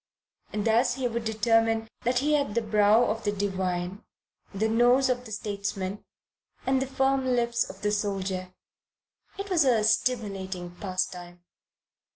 Thus he would determine that he had the brow of the divine, the nose of the statesman and the firm lips of the soldier. It was a stimulating pastime.